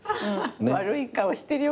悪い顔してるよ。